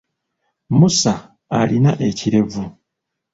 Musa alina ekirevu.